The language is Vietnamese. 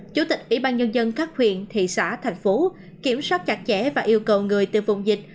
chủ tịch ủy ban nhân dân các huyện thị xã thành phố kiểm soát chặt chẽ và yêu cầu người từ vùng dịch